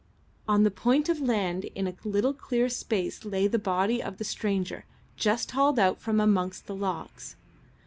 On the point of land in a little clear space lay the body of the stranger just hauled out from amongst the logs.